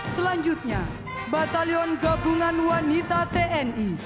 selanjutnya batalion gabungan wanita tni